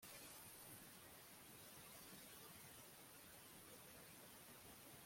kazitunga yashoboraga kuza mu gitaramo cyanjye ariko ntabwo yaje